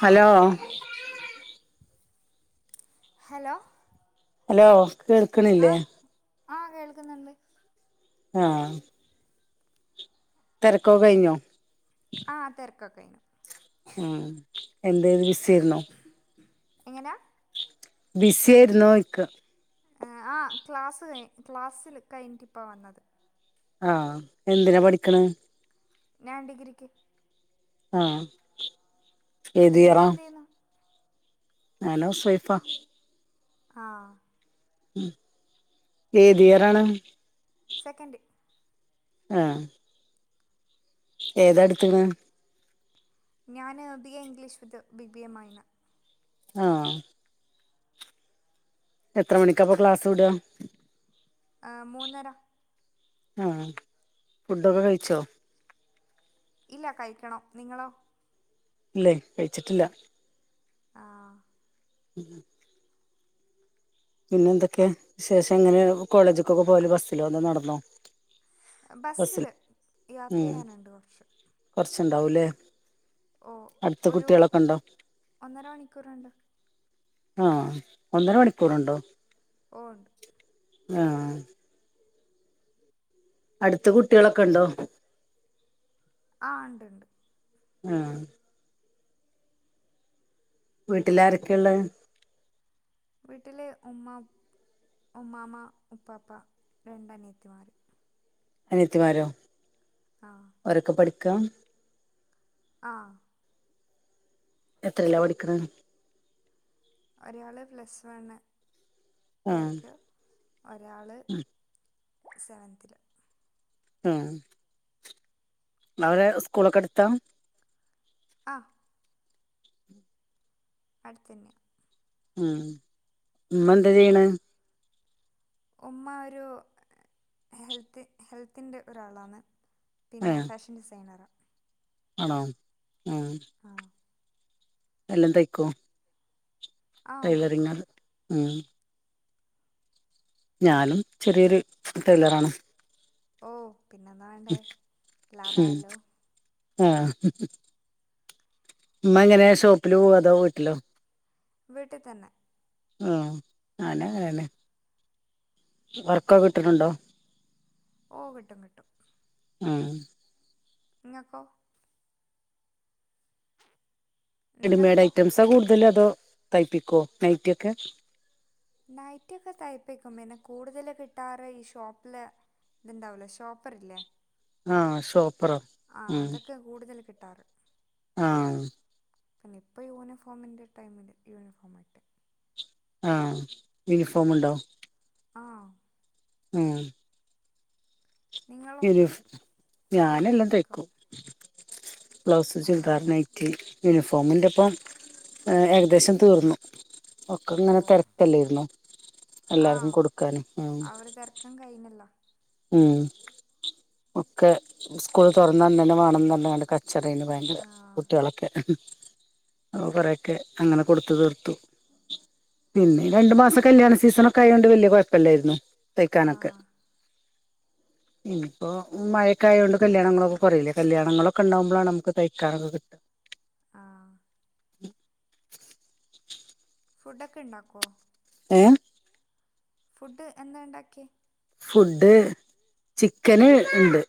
Hello hello hello കേൾക്ക്ണില്ലേ ആകേൾക്കുന്നുണ്ട് ആ തിരക്കോക്കെ കഴിഞ്ഞോ ആ തെരക്കൊക്കെ കയിഞ്ഞു ഉ എന്തത് ബി സിരുന്നേ എങ്ങനാ ബിസിയായിരുന്നോചോയിക്കാ ആക്ലാസ്സ് കഴി ക്ലാസ്സ് കഴിഞ്ഞിട്ടിപ്പ വന്നതാ ആഎന്തിനാ പഠിക്കണേ ഞാൻ ഡിഗ്രിക്ക് ആ നിങ്ങൾ എന്ത് ചെയ്യുന്നു ഞാനോഹൗസ് വൈഫാ ആ ഏത് ഇയറാണ് സെക്കൻഡ് ആ ഏതാ ട്ത്ത്ണേ ഞാന് B A English with B B M main ആ എത്ര മണിക്കാഅപ്പൊ ക്ലാസ് വിടാ ആ മൂന്നര ആഹഫുഡൊക്കെ കഴിച്ചോ ഇല്ല കഴിക്കണ്ണംനിങ്ങളോ ഇല്ലേ കഴിച്ചിട്ടില്ല ആ പിന്നെ എന്തൊക്കെവിശേഷം എങ്ങനെ കോളേജക്കൊക്കെ പോവല് ബസ്സിലോ അല്ലേ നടന്നോ ബസ്സിൽ ബസ്സില് യാത്ര ചെയ്യാനുണ്ട് കുറച്ച് കുറച്ച്ണ്ടാവൂല്ലേ ഓ ഒരു ഒന്നര മണിക്കൂർണ്ട് ആ ഒന്നര മണിക്കൂർണ്ടോ ഓ ണ്ട് ആ അടുത്ത കുട്ടികളൊക്കെ ണ്ടോ ആ ഇണ്ട് ഇണ്ട് ആ വീട്ടിലാരൊക്കെയ ഉള്ളേ വീട്ടിലെ ഉമ്മ ഉമ്മാമ ഉപ്പാപ്പ രണ്ട് അനിയത്തിമാര്. അനത്തിമാരോ ആ ഒരൊക്കെ പഠിക്ക് ഇക്ക ആ എത്രിലപടിക്കണെ ഒരാള് പ്ലസ് വൺ ആഹ് ലേക്ക് ഒരാള് സെവന്തില് ആ അവരെ സ്കൂളൊക്കെ അടുത്താ അ അടുത്തന്നെയ ഉം ഇമ്മ എന്താ ചെയ്യണെ. ഉമ്മ ഒരു ഹെൽത്ത് ഹെൽത്തിന്റെ ഒരാളാണ് പിന്നെ ഏഹ് ഫാഷൻ ഡിസൈനറ ആണോ ഉം ആ എല്ലാം തയ്ക്കോ ആ തയ്ക്കും ടൈലറിങ്ങാണ് ഉം ഞാനും ചെറിയൊരു ടെയിലറാണ് ഓ പിന്നെന്താ വേണ്ടേ ലാഭായല്ലോ ആ ഉമ്മ എങ്ങനെ ഷോപ്പില് പോവാ അതോ വീട്ടിലോ വീട്ടീ തന്നെ ആ ആന ആ അങ്ങനെ വർകൊക്കെ കിട്ടനുണ്ടോ ഓ കിട്ടും കിട്ടും ഉം ഇങ്ങക്കോ റെഡിമേഡ് നിങ്ങൾക്കോ ഐറ്റംസാ കുടു കൂലതോ തയ്പ്പിക്കുവോ നൈറ്റിയൊക്കെ നൈറ്റൊക്കെ തൈപ്പിക്കും പിന്നെ കൂടുതല് കിട്ടാറ് ഈ ഷോപ്പില് ഇത്ണ്ടാവലോ ഷോപ്പറില്ലേ ആ സോപ്പ് ആ അതൊക്കെ കൂടുതൽ കി ക്കിട്ടാറ് ആ പിന്നെ ഇപ്പ യൂണിഫോമിന്റെ ടൈമില് യൂണിഫോം ഇട്ട് ആഹ് യൂണിഫോമുണ്ടോ ആ ഉം നിങ്ങളോ യുണിഫോം ഞാൻ എല്ലാം തൈക്കും ബ്ലൗസ് ആ ചുൽദാർ നൈറ്റി യൂണിഫോമിൻ്റെ ഇപ്പം എ ഏകദേശം തീർന്നു ഒക്കെ ഓ ഇങ്ങനെ തിരക്കല്ലരുന്നു ആ എല്ലർക്കും കൊടുക്കാന് ഉം ആ ഒരു തിരക്കം കഴിഞ്ഞല്ലോ ഉം ഒക്കെ സ്കൂൾ തൊറന്നന്നനെ വാണംന്ന പറഞ്ഞാണ്ട് കച്ച റേന്നു ആ ഭയങ്കരം കുട്ടിളൊക്കെ അപ്പോ കുറേക്കെ അങ്ങനെ കൊടുത്തു തീർത്തു പിന്നെ ഈ രണ്ടു മാസം കല്യാണ സീസണൊക്കെ ആയോണ്ട് വല്ല്യകുഴപ്പല്ലായിരുന്നു ആ തയ്ക്കാനൊക്കെ ഇനിയിപ്പോ മഴക്കായതോണ്ട് കല്യാണങ്ങളൊക്കെ കുറയിലെ കല്യാണങ്ങളൊക്കെ ഇണ്ടാകുമ്പോളാണ് നമുക്ക് തയ്ക്കാനൊക്കെ കിട്ട ആ ഫുഡ് ഒക്കെ ഇണ്ടാക്കോ ഏ ഫുഡ് എന്താ ഇണ്ടാക്കിയെ ഫുഡ് ചിക്കന് ഇണ്ട്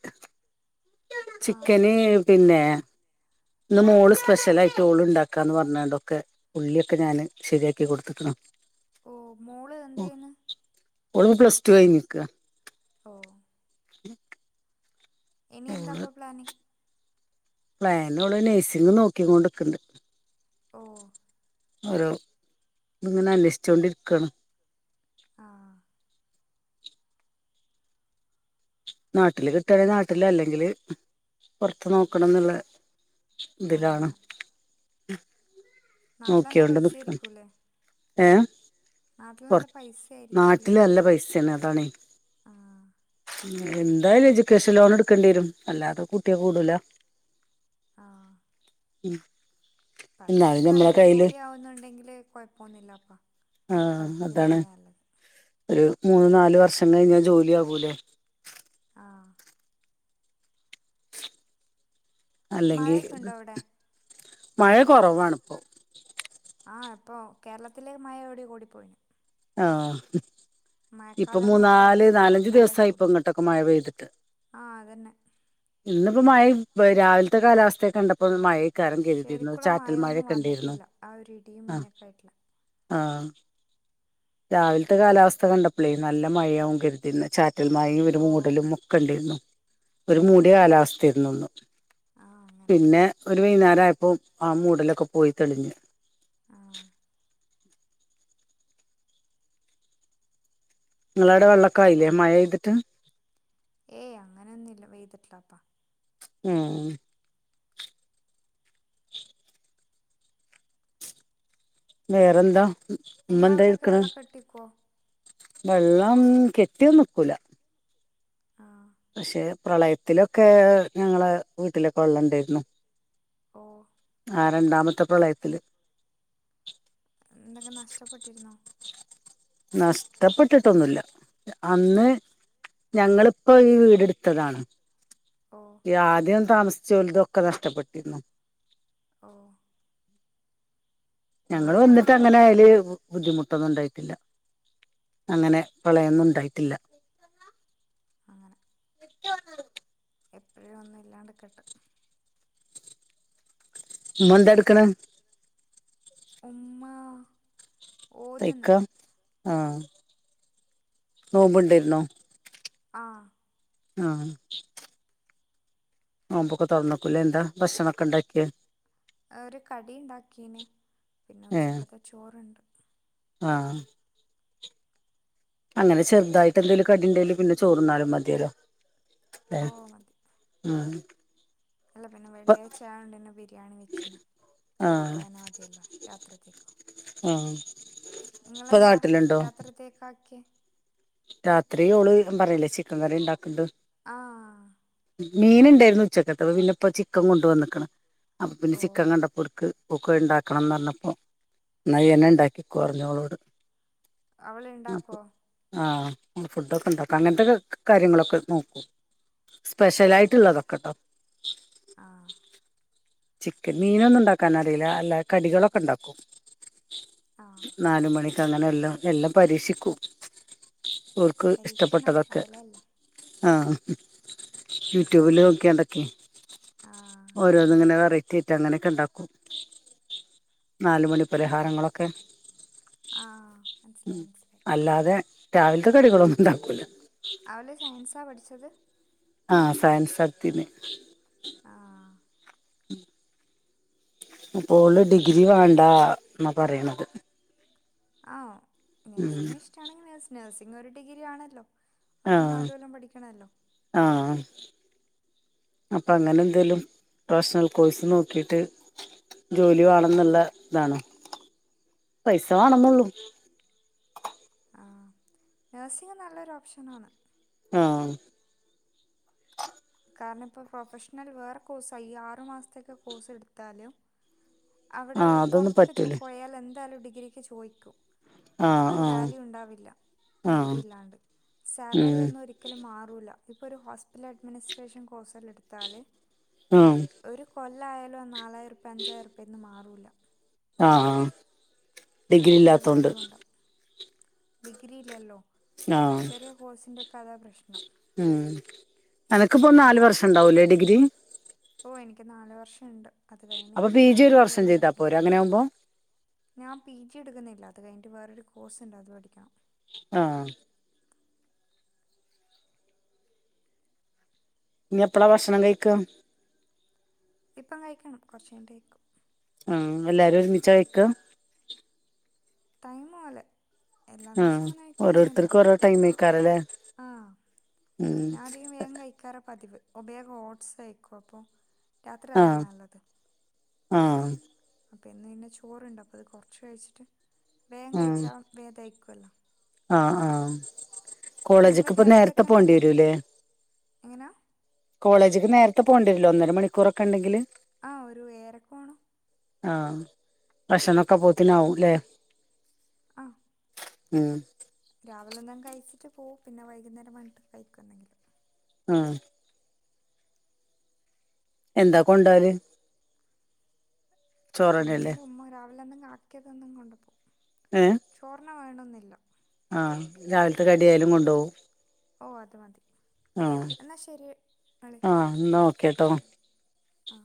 ആ ചിക്കന് പിന്നെ ഇന്ന് മോള് സ്പെഷ്യലായിട്ട് ഓള് ഇണ്ടാക്കാന്ന് പറഞാണ്ടെക്കെ ഉള്ളിയൊക്കെ ഞാന് ശരിയാക്കി കൊടുത്ത്ക്ക്ണ് ഓ മോള് എന്തചെയ്യുന്നെ ഓളിപ്പോ പ്ലസ്ടു കഴിഞ്ഞിനിക്കുവാ ഓ ഇനി ഓള് എന്താപ്പൊ പ്ലാന് പ്ലാനോള് നഴ്സിങ്ങ് നോക്കി കൊണ്ടിരിക്ക്ണ്ട് ഓ ഓരോന്നിങ്ങനെ അന്വേഷിച്ചോണ്ടിരിക്കാണ് ആ നാട്ടില് കിട്ടാണെങ്കിൽ നാട്ടില് അല്ലെങ്കില് പുറത്ത് നോക്കണം എന്നുള്ള ആ ഇതിലാണ് നാട്ടിലല്ല നോക്കിയോണ്ട് പൈസ നിക്കാണ് ആയിരിക്കൂല്ലെ ഏ പുറത്ത് ആയിരിക്കൂലേ നാട്ടില് നല്ല പൈസ ന്നാണ് അതാണേ ആ എന്തായാലും എജ്യൂക്കേഷൻ ലോൺ എടുക്കേണ്ടി വരും അല്ലാതെ കൂട്ടിയ കൂടൂല ആ ഉം പഠിച്ച് നല്ലൊരു ജോലിആവുന്നുണ്ടെങ്കിൽ കൊ ഴപ്പന്നുല്ല അപ്പ ആ പഠിപ്പിക്കുന്നത് അതാണ് തന്നെയല്ലത് ഒരു മൂന്ന് നാലു വർഷം കഴിഞ്ഞാ ജോലിയാകൂല്ലെ ആ അല്ലെങ്കി മഴയൊക്കെ ഉണ്ടോ അവിടെ മഴ കുറവാണ്പ്പൊ ആ ഇപ്പൊ കേരളത്തിലേ മഴ എവിടെയോ ഓടി പോയി ആഹ് അത് ഇപ്പം എന്ന് പറഞ്ഞിട്ട് മൂന്നാല് കാര്യമൊന്നുമില്ല നാലഞ്ച് നല്ല ദിവസായി ഇപ്പം ചൂടാ ഇങ്ങോട്ടൊക്കെ മഴ പെയ്തിട്ട് ആ അതന്നെ എന്നും ഇപ്പ മഴയും പോ രാവിൽത്തെ കാലാവസ്ഥ കണ്ടപ്പോ മഴയും ശരിക്കുള്ള മയോന്നും വന്നിട്ടില്ല ആഹ് ഒരു ഇടിയും മിന്നൊക്കെയിട്ടുള്ള ആഹ് രാവിലത്തെ കാലാവസ്ഥ കണ്ടപ്പളേ നല്ല മഴയാവും കരുതിന്ന് ചാ റ്റൽ മഴയും ഒരു ഓ മൂടലും മൊക്ക ണ്ടയ്രുന്നു ഒരു ഓ മൂട്യ കാലാവസ്ഥയിരുന്നുന്ന് ആ അങ്ങനെ പിന്നെ ഒരു വൈന്നേരം ആയപ്പോ ആ മൂടിലൊക്കെ പോയി തെളിഞ്ഞ് ആ നിങ്ങളാടെ വെള്ളക്കായില്ലേ മഴയ്തിട്ട് ഏയ് അങ്ങനെന്നുംല്ല പെയ്തിട്ടിപ്പാ ആഹ് വേറെന്താ ഇമ്മ നിങ്ങളവിടെയൊക്കെ എന്ത്യ്ക്ക്‌ണ് വെള്ളമൊക്കെ കെട്ടിക്കുവോ വെള്ളം കെട്ടിയൊന്നും നിക്കൂല ആ പക്ഷെ പ്രളയത്തിലൊക്കെ ഞങ്ങള് വീട്ടിലക്കെ വെള്ളണ്ടായിരുന്ന് ഓ ആഹ് രണ്ടാമത്തെ പ്രളയത്തില് എന്തൊക്കെ നഷ്ടപ്പെട്ടിരുന്നോ നഷ്ടപ്പെട്ടിട്ടൊന്നുല്ല അന്ന് ഞങ്ങളിപ്പോ ഈ വീടെടുത്തതാണ് ഓ ത് ആദ്യം താമസ് ചൊൽതൊക്കെ നഷ്ടപ്പെട്ടിരുന്നു ഓഹ് ഞങ്ങള് വന്നിട്ട് അങ്ങനെ അയല് ബുദ്ധിമുട്ടൊന്നും ഇണ്ടായിട്ടില്ല അങ്ങനെ പ്രളയംന്നും ഇണ്ടായിട്ടില്ല [inaudible] എപ്പഴും ഒന്നും ഇല്ലാണ്ട്കട്ട് ഇമ്മ എന്തെടുക്കണ് ഉമ്മ തയ്ക്കുവാ ഓതുന്നുണ്ട് ആഹ് നോമ്പുണ്ടായിരുന്നോ ആഹ് ആഹ് നോമ്പൊക്കെ തുറന്നക്കൂല്ലേ എന്താ ഭക്ഷണം ഒക്കെ ഇണ്ടാക്കിയെ ഒരു കടി ഉണ്ടാക്കീന് പിന്നെ ഏ ഉച്ചക്കത്തെ ചോറുണ്ട് ആഹ് അങ്ങനെ ചെറുതായിട്ട് എന്തേലും കടി ഉണ്ടെലും പിന്നെ ചോറിന്നാലും മതിയല്ലോ ഹ ഓ മതി ഉം അല്ല പിന്നെ ഇപ്പ വെള്ളിയാഴ്ച ആയോണ്ട്ന്നെ ബിരിയാണി വെച്ചിനു അപ്പ ആഹ് അനെ മതിയല്ല രാത്രിതേക്കും ആഹ് ഇപ്പൊ ഇങ്ങളെന്താ നാട്ടിലുണ്ടോ രാത്രിത്തേക്കാക്കിയേ രാത്രി ഓള് പറയില്ലേ ചിക്കൻ കറി ഇണ്ടാക്കണത് ആഹ് മീൻ ഇണ്ടാര്ന്നു ഉച്ചക്കത്തത് പിന്നെ ഇപ്പോ ചിക്കൻ കൊണ്ട് വന്നേക്കണ് അപ്പൊ പിന്നെ ഓ ചിക്കൻ കണ്ടപ്പോട്ക്ക് ഓക്ക് ഇണ്ടാക്കണംന്ന് പറഞ്ഞപ്പോ ന്നാ ഇയ്യനെ ഇണ്ടാക്കികോന്ന് പറഞ്ഞോളോട് അവൾ ഇണ്ടാക്കോ ആ ഫുഡൊക്കെ ഉണ്ടാക്കും അങ്ങനെത്തെ കാര്യങ്ങളൊക്കെ നോക്കും ഓ സ്പെഷ്യലായിട്ടുള്ള തൊക്കെട്ടോ ആഹ് ചിക്കൻ മീനൊന്നും ഉണ്ടാക്കാനറിയില്ല അല്ല കടികളൊക്കെ ഇണ്ടാക്കും ആഹ് നാല് മണി അങ്ങനെ എല്ലാ എല്ലാം പരീക്ഷിക്കും ഓൾക്ക് പരീക്ഷണം ഇഷ്ടപ്പെട്ടതൊക്കെ അതല്ലേ എല്ലാം ആഹ് യൂട്യൂബില് നോക്കിയാണ്ടൊക്കെ ആഹ് ഓരോന്ങ്ങനെ ബെറ്റിട്ട് അങ്ങനക്കെ ഇണ്ടാക്കും നാലുമണി പരിഹാരങ്ങളൊക്കെ ആഹ് മനസിലായി മനസിലായി രാവിൽത്തെ കടികളൊന്നും ഇണ്ടാക്കൂല അവള് സയൻസാ പഠിച്ചത് ആഹ് സയൻസാട്ത്തേന് ആഹ് അപ്പോള് ഡിഗ്രി വേണ്ടാന്നാ പറയണത് ആ ഉം നഴ്സിങ്ങിന് ഇഷ്ടാണെങ്കി നേഴ്സ് നേഴ്സ് ഇന്നൊരു ഡിഗ്രി ആണല്ലോ അതും ആഹ് നാല് കൊല്ലം പഠിക്കണല്ലോ ആഹ് അപ്പൊ അങ്ങനെ എന്തേലും പ്രൊഫഷണൽ കോഴസ് നോക്കിട്ട് ജോലി വേണന്നുള്ള ആഹ് ഇതാണ് പൈസ വാണംന്നൊളളു നേഴ്സിംഗ നല്ലൊരു ഓപ്ഷനാണ് ആഹ് കാരണം ഇപ്പോൾ പ്രൊഫഷണൽ വേറെ കോഴ്സാ ഈ യാറ് മാസത്തേ കോഴ്സ് എടുത്താല് അവിടെ ആഹ് അതൊന്നും പുറത്തൊക്കെ ച്ചു പറ്റൂല പോയാൽന്ത് എന്താലും ഡിഗ്രിക്ക് ചോദിക്കും ആഹ് ഒരു ആഹ് വാല്യൂ ഉണ്ടാവില്ല ഡിഗ്രി ആഹ് ഇല്ലാണ്ട് സാലറി ഉം ഒന്നും ഒരിക്കലും മാറൂല്ല ഇപ്പൊര് ഹോസ്പിറ്റൽ അഡ്മിനി സ്‌ട്രേഷൻ കോഴ്സ് എല്ലട്താല് ഉം [unintelligible] കൊല്ലായാലോ നാ [unintelligible] ഒരഅഞ്ചായിരുർപീന്ന് മാറൂല ആഹ് ഡിഗ്രില്ലാത്തോണ്ട് ഡിഗ്രീ ലെല്ലോ ചെറിയ കോഴ്സിന്റെക് കതാ പ്രശ്നം മ് അനക്ക്പ്പൊ നാല് പിന്നെ വർഷണ്ടാവൂല്ലേ ഡിഗ്രി ഓ എനിക്ക് നാല് വർഷണ്ട്. അപ്പ പി. ജി ഒരു വർഷം ചെയ്താ പോരെ അങ്ങനാവുമ്പോ? ഞാം പി. ജി എട്ക്ക്ന്നില്ല. അത് കഴിഞ്ഞിട്ട് വേറൊര് കോഴ്സ്ണ്ട് അത് പഠിക്കണം. ആഹ് ഞ്ഞിപ്പളാ ഭക്ഷണം കയിക്കാ ഇപ്പം കഴിക്കണം. കൊറച്ചയ്ഞ്ഞിട്ട് കഴിക്കും. ആഹ് എല്ലാരും ഒര്മിച്ചാ കയിക്കാ? ടൈമോലെ എല്ലാ ദെവസോം ആഹ് അങ്ങനെ കയിക്കണന്നില്ല. ഓരോരുത്തർക്കും ഓരോ ടൈമേക്കാരല്ലേ ആഹ് ഉം ഞാൻ അധികം വേഗം കയിക്കാറ പതിവ്. ഒബേഗ ഓട്ട്സ് കയിക്കുവോ അപ്പൊ രാത്രി ആഹ് അതല്ലേ നല്ലത് ആഹ് അപ്പം ഇന്ന് പിന്നെ ചോറുണ്ട് അപ്പം ഇത് കൊറച്ച് കഴിച്ചിട്ട് വേഗം ആഹ് കയിച്ചാ വേഗം തൈ ക്കാലൊ ആഹ് ആഹ് നിങ്ങൾ കോളേജിക്ക് ഇപ്പൊ നേരത്തെ ഹെൽത്തൊക്കെ പോവണ്ടി എങ്ങനെയാ വരുമല്ലേ എങ്ങനെയാ കോളേജിക്ക് നേരത്തെ പോവണ്ടിവരൂല്ലേ ഒന്നര മണിക്കൂറൊക്കെ ഉണ്ടെങ്കില് ആ ഒരു ഏഴരക്ക് പോകണം ആഹ് ഭക്ഷണവൊക്കെ പുറത്തൂന്ന് ആവും അല്ലേ ആഹ് ഉം രാവിലെ എന്തെങ്കിലും കയിച്ചിട്ട് പോവും പിന്നെ വൈകുന്നേരം വന്നിട്ട് കയിക്കും എന്തെങ്കിലും. ആഹ് എന്താ കൊണ്ട് പോവല് എന്തങ്കിലും ഉമ്മ രാവിലെ എന്തെങ്കിലും ആക്കിയാ അതെന്നും കൊണ്ട് പോവും ചോറെന്നെ വേണോ ന്നില്ല ആ രാവിലത്തെ കടിയായാലും കൊണ്ട് പോവും ഓ അത് മതി എന്നാ ശരി ക്കേട്ടോ ആ